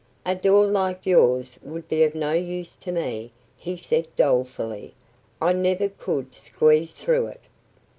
"A door like yours would be of no use to me," he said dolefully. "I never could squeeze through it."